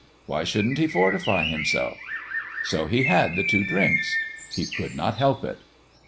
Why shouldn't he fortify himself ? So he had the two drinks : he could not help it.